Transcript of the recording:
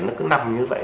nó cứ nằm như vậy